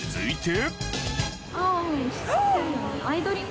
続いて。